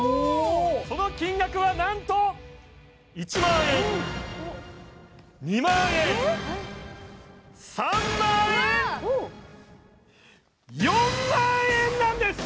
その金額はなんと１万円２万円３万円４万円なんです！